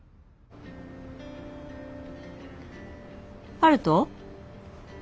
悠人？